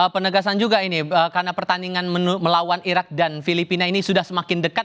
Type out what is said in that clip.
penegasan juga ini karena pertandingan melawan irak dan filipina ini sudah semakin dekat